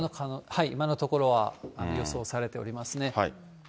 今のところは、予想されておりますね。